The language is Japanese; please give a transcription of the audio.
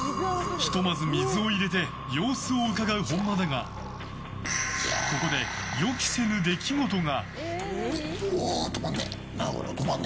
ひとまず水を入れて様子をうかがう本間だがここで予期せぬ出来事が。